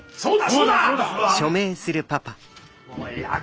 そうだな。